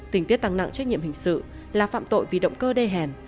tình tiết tăng nặng trách nhiệm hình sự là phạm tội vì động cơ đê hèn